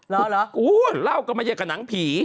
เราหรอโอ๊เราลอลกำลังไปเจอกับหนังผี